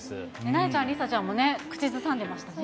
なえちゃん、梨紗ちゃんも口ずさんでましたね。